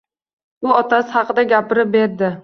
U otasi haqida gapirib berdi.